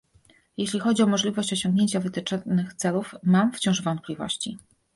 Jeśli chodzi o możliwość osiągnięcia wytyczonych celów, mam wciąż wątpliwości